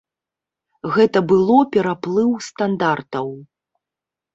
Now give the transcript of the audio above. Гэта было пераплыў стандартаў.